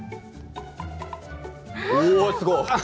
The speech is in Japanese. おおすごい！